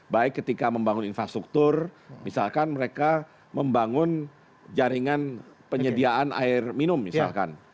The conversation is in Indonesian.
baik ketika membangun infrastruktur misalkan mereka membangun jaringan penyediaan air minum misalkan